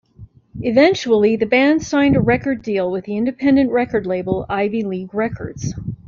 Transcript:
Eventually, the band signed a record deal with independent record label Ivy League Records.